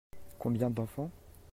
Combien d'enfants ?